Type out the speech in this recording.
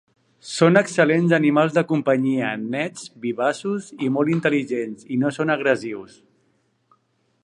Són excel·lents animals de companyia, nets, vivaços i molt intel·ligents, i no són agressius.